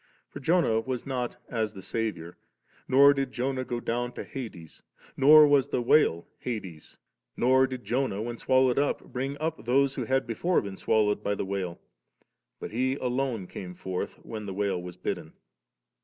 For Jonah was not as the Saviour, nor did Jonah go down to hades; nor was the whale hades ; nor did Jonah, when swallowed up, bring up those who had before been swallowed liy the whale, but he alone came forth, when the whale was bidden.